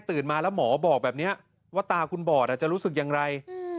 มาแล้วหมอบอกแบบนี้ว่าตาคุณบอดจะรู้สึกอย่างไร